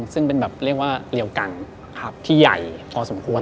ซึ่งเป็นแบบเรียกว่าเรียวกันที่ใหญ่พอสมควร